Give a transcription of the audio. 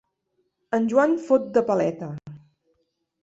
En Joan fot de paleta.